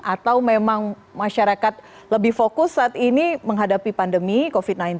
atau memang masyarakat lebih fokus saat ini menghadapi pandemi covid sembilan belas